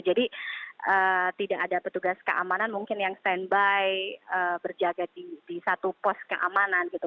jadi tidak ada petugas keamanan mungkin yang standby berjaga di satu pos keamanan gitu